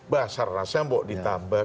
basar rasa yang tidak ditambah